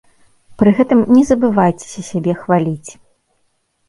Пры гэтым не забывайцеся сябе хваліць.